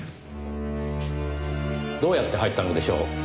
どうやって入ったのでしょう？